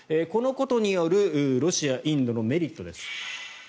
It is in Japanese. このことによるロシアインドのメリットです。